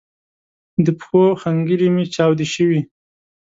د پښو ښنګري می چاودی شوي